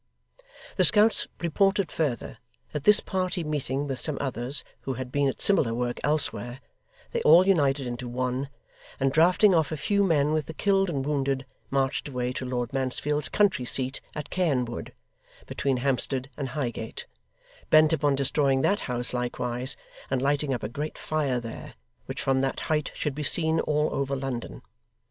The scouts reported further, that this party meeting with some others who had been at similar work elsewhere, they all united into one, and drafting off a few men with the killed and wounded, marched away to Lord Mansfield's country seat at Caen Wood, between Hampstead and Highgate; bent upon destroying that house likewise, and lighting up a great fire there, which from that height should be seen all over London.